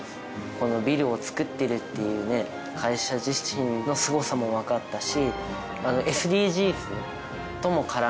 このビルを造ってるっていう会社自身のすごさもわかったし。